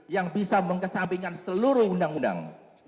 yang bisa mengesampingkan seluruh undang undang